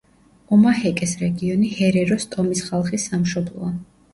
ომაჰეკეს რეგიონი ჰერეროს ტომის ხალხის სამშობლოა.